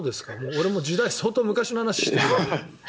俺も時代相当昔の話をしているから。